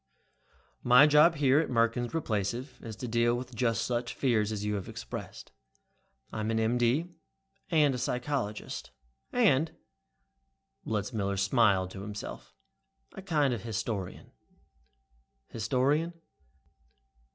"My job here at Merkins Replacive is to deal with just such fears as you have expressed. I'm an M.D. and a psychologist, and" Letzmiller smiled to himself "a kind of historian." "Historian?"